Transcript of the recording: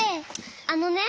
あのね。